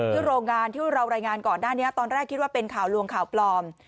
โรงงานที่เรารายงานก่อนหน้านี้ตอนแรกคิดว่าเป็นข่าวลวงข่าวปลอม